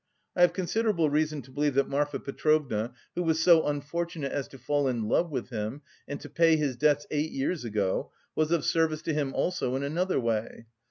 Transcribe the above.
I have considerable reason to believe that Marfa Petrovna, who was so unfortunate as to fall in love with him and to pay his debts eight years ago, was of service to him also in another way.